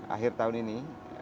akhir tahun ini